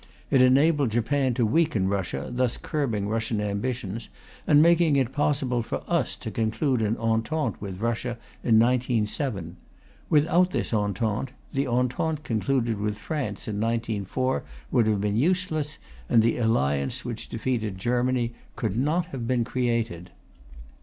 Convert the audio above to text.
It enabled Japan to weaken Russia, thus curbing Russian ambitions, and making it possible for us to conclude an Entente with Russia in 1907. Without this Entente, the Entente concluded with France in 1904 would have been useless, and the alliance which defeated Germany could not have been created.